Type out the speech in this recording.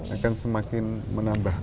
akan semakin menambah